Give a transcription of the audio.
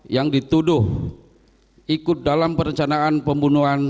yang dituduh ikut dalam perencanaan pembunuhan